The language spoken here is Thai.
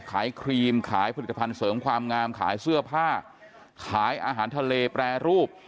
ครีมขายผลิตภัณฑ์เสริมความงามขายเสื้อผ้าขายอาหารทะเลแปรรูป